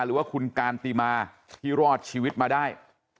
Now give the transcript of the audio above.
หรือว่าคุณการติมาที่รอดชีวิตมาได้